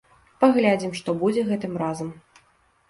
Паглядзім, што будзе гэтым разам.